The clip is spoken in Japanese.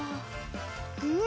うん！